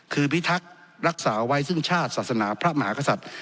คือพิทักษ์รักษาไว้ซึ่งชาติศาสนาพระมหากษัตริย์